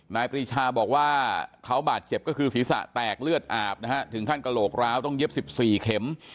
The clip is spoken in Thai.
ปรีชาบอกว่าเขาบาดเจ็บก็คือศีรษะแตกเลือดอาบนะฮะถึงขั้นกระโหลกร้าวต้องเย็บ๑๔เข็ม